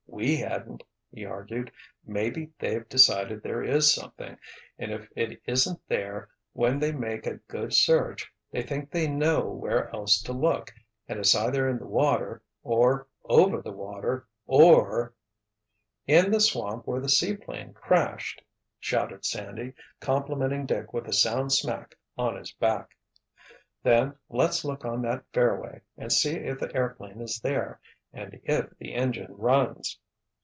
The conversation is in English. We hadn't!" he argued. "Maybe they've decided there is something—and if it isn't there when they make a good search, they think they know where else to look—and it's either in the water—or over the water—or——" "In the swamp where the seaplane crashed!" shouted Sandy, complimenting Dick with a sound smack on his back. "Then let's look on that fairway and see if the airplane is there, and if the engine runs."